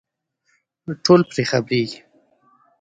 ټول پرې خبرېږي.